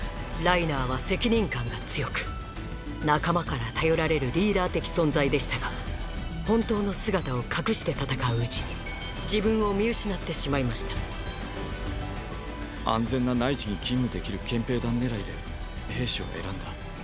ライナーは責任感が強く仲間から頼られるリーダー的存在でしたが本当の姿を隠して戦ううちに自分を見失ってしまいました安全な内地に勤務できる憲兵団狙いで兵士を選んだ。